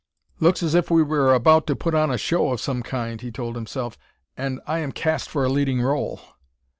"Looks as if we were about to put on a show of some kind," he told himself, "and I am cast for a leading role."